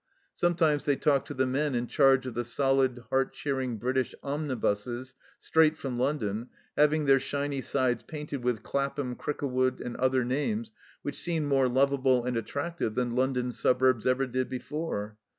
Sometimes they talked to the men in charge of the solid, heart cheering British omnibuses, straight from London, having their shiny sides painted with Clapham, Crickle wood, and other names which seemed more lovable and attractive than London suburbs ever did before.